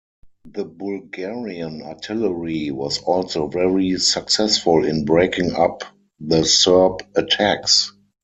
The Bulgarian artillery was also very successful in breaking up the Serb attacks.